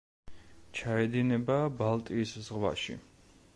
ჩაედინება ბალტიის ზღვაში.